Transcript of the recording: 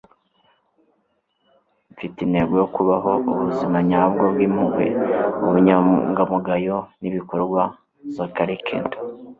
nfite intego yo kubaho ubuzima nyabwo bw'impuhwe, ubunyangamugayo n'ibikorwa. - zachary quinto